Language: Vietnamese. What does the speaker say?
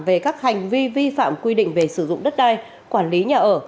về các hành vi vi phạm quy định về sử dụng đất đai quản lý nhà ở